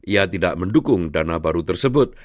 ia tidak mendukung dana baru tersebut